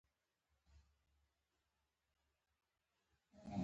فساد څنګه پانګوال تښتوي؟